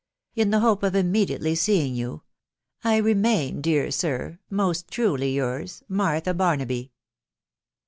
In the hope of immediately seeing you, u 1 remain, dear sir, " Most truly yours, •' Martha Barnaby."